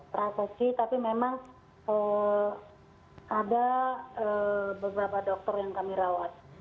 karena bukan prosesi tapi memang ada beberapa dokter yang kami rawat